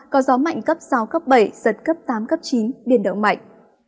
có gió mạnh cấp sáu cấp bảy giật cấp tám cấp chín biển động mạnh